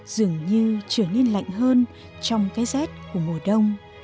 dường như trở nên lạnh hơn trong cái rét của mùa đông